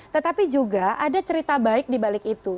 tetapi juga ada cerita baik dibalik itu